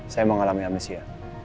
saya mengalami amnesia